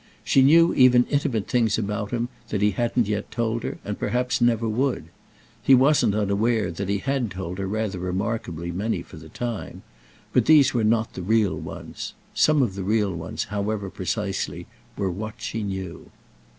She knew even intimate things about him that he hadn't yet told her and perhaps never would. He wasn't unaware that he had told her rather remarkably many for the time, but these were not the real ones. Some of the real ones, however, precisely, were what she knew.